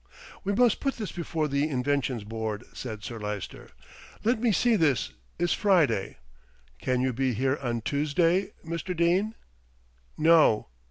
"We must put this before the Inventions Board," said Sir Lyster. "Let me see, this is Friday. Can you be here on Tuesday, Mr. Dene?" "No!"